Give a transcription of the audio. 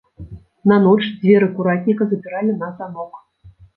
На ноч дзверы куратніка запіралі на замок.